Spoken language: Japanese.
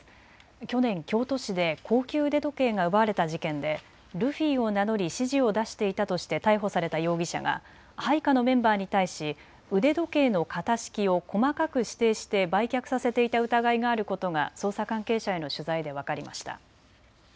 去年、京都市で高級腕時計が奪われた事件でルフィを名乗り指示を出していたとして逮捕された容疑者が配下のメンバーに対し腕時計の型式を細かく指定して売却させていた疑いがあることが捜査関係者への取材で分かりました。